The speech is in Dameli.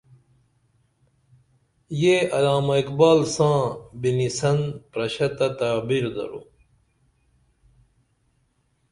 یہ علامہ اقبال ساں بِنِسن پرشہ تہ تعبیر درو